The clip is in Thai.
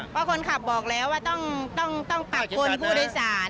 เพราะคนขับบอกแล้วว่าต้องปรับคนผู้โดยสาร